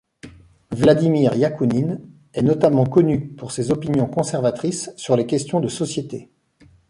Vladimir Iakounine est notamment connu pour ses opinions conservatrices sur les questions de société.